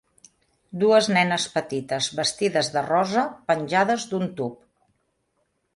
Dues nenes petites vestides de rosa penjades d'un tub.